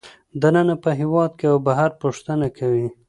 دننه په هېواد کې او بهر پوښتنه کوي